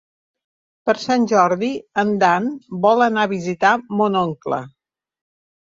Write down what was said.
Per Sant Jordi en Dan vol anar a visitar mon oncle.